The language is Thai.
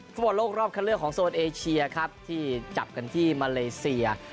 ฟุตบอลโลกรอบคันเลือกของโซนเอเชียครับที่จับกันที่มาเลเซีย